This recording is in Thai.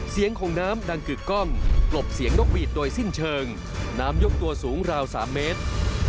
เสียงของน้ำดังกึกกล้องกลบเสียงนกหวีดโดยสิ้นเชิงน้ำยกตัวสูงราว๓เมตร